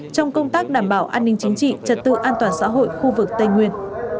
trong công tác đảm bảo an ninh chính trị trật tự an toàn xã hội khu vực tây nguyên